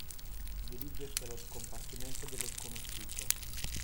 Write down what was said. Dirigersi allo scompartimento dello sconosciuto.